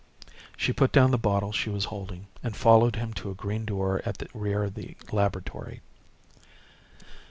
She put down the bottle she was holding and followed him to a green door at the rear of the laboratory.